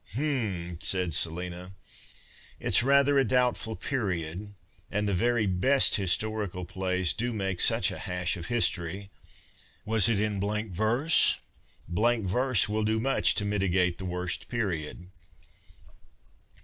" H'm," said Selina, " it's rather a doubtful period ; and the very best historical plays do make such a hash of history. Was it in blank verse ? Blank verse will do nmch to mitigate the worst period."